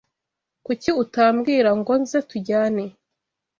Kuki utambwira ngo nze tujyane